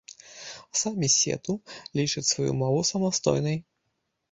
Самі сету лічаць сваю мову самастойнай.